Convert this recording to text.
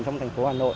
trong thành phố hà nội